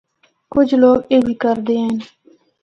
کجھ لوگ اے بھی کردے ہن۔